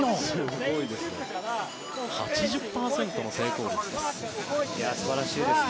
８０％の成功率です。